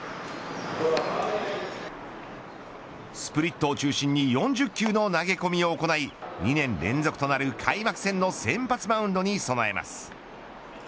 スプリットを中心に４０球の投げ込みを行い２年連続となる開幕戦の先発マウンドに備えます。